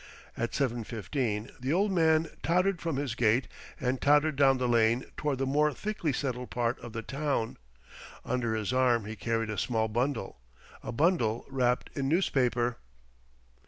At seven fifteen the old man tottered from his gate and tottered down the lane toward the more thickly settled part of the town. Under his arm he carried a small bundle a bundle wrapped in newspaper!